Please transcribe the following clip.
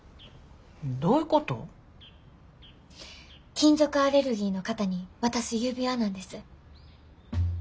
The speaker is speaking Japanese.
金属アレルギーの方に渡す指輪なんです。